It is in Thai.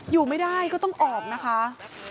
อยู่ไม่ได้ก็ต้องออกนะคะ